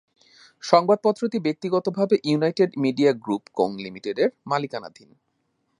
সংবাদপত্রটি ব্যক্তিগতভাবে United Media Group Co লিমিটেডের মালিকানাধীন।